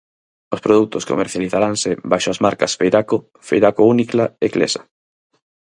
Os produtos comercializaranse baixo as marcas Feiraco, Feiraco Únicla e Clesa.